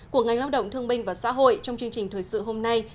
của ngành lao động thương minh và xã hội trong chương trình thời sự hôm nay